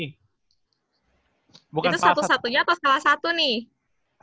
itu satu satunya atau salah satu nih